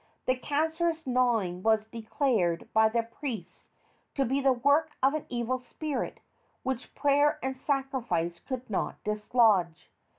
The cancerous gnawing was declared by the priests to be the work of an evil spirit, which prayer and sacrifice could not dislodge.